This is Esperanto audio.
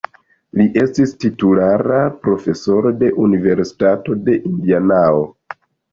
Li estis titulara profesoro de Universitato de Indianao.